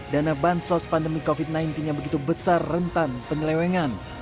karena bansos pandemi covid sembilan belas yang begitu besar rentan pengelewengan